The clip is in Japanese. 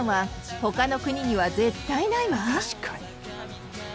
確かに。